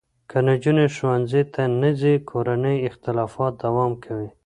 که نجونې ښوونځي ته نه ځي، کورني اختلافات دوام کوي.